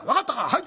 「はい！」。